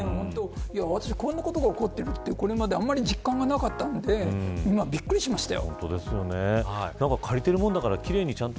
私はこういうことが起こっているってあんまり実感がなかったんでびっくりしましたよ。